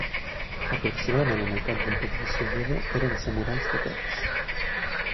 Aproximadament la meitat de la població d'Edo eren samurais d'aquests.